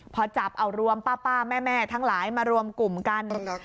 พอจับเอารวมป้าแม่ทั้งหลายมารวมกลุ่มกัน